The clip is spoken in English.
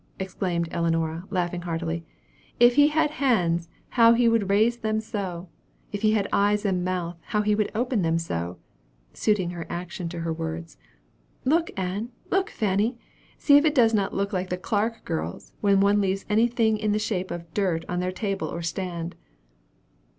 exclaimed Ellinora, laughing heartily. "If he had hands, how he would raise them so! If he had eyes and mouth, how he would open them so!" suiting action to her words. "Look, Ann! look, Fanny! See if it does not look like the Clark girls, when one leaves any thing in the shape of dirt on their table or stand!"